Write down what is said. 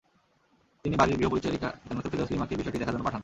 তিনি বাড়ির গৃহ পরিচারিকা জান্নাতুল ফেরদৌস লিমাকে বিষয়টি দেখার জন্য পাঠান।